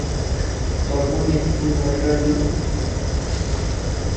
তোর মনে একটুও ভয়ডর নেই?